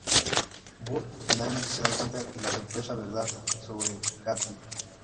Burt finalmente se da cuenta de la sorprendente verdad sobre Gatlin.